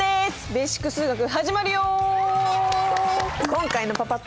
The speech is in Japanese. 「ベーシック数学」始まるよ！